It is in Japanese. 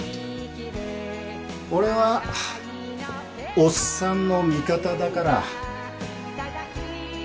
俺はおっさんの味方だから。